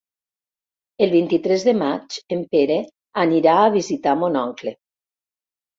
El vint-i-tres de maig en Pere anirà a visitar mon oncle.